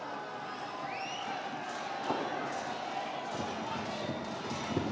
boleh mengabadikan momen ini